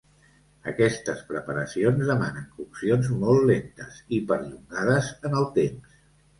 Aquestes preparacions demanen coccions molt lentes i perllongades en el temps.